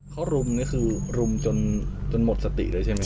เค้ารุมเนี่ยคือรุมจนหมดสติเลยใช่มั้ยคะ